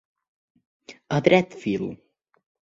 A dret fil.